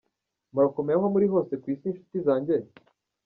Murakomeye aho muri hose kw’isi nshuti zanjye?